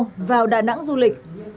cả hai đã tin tưởng cùng nhau